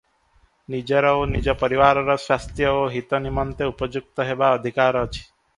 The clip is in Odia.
ନିଜର ଓ ନିଜ ପରିବାରର ସ୍ୱାସ୍ଥ୍ୟ ଓ ହିତ ନିମନ୍ତେ ଉପଯୁକ୍ତ ହେବା ଅଧିକାର ଅଛି ।